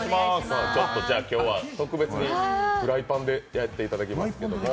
今日は特別にフライパンで焼いていただきます。